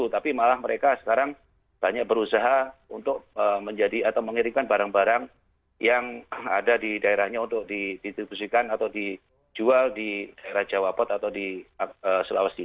tapi malah mereka sekarang banyak berusaha untuk menjadi atau mengirimkan barang barang yang ada di daerahnya untuk didistribusikan atau dijual di daerah jawa pot atau di sulawesi